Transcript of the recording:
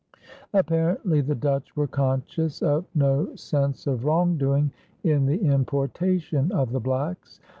Apparently the Dutch were conscious of no sense of wrong doing in the importation of the blacks.